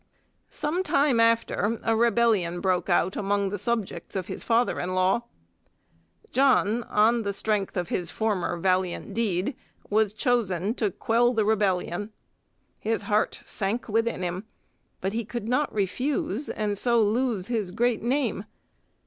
Some time after a rebellion broke out among the subjects of his father in law. John, on the strength of his former valiant deed, was chosen to quell the rebellion. His heart sank within him, but he could not refuse, and so lose his great name.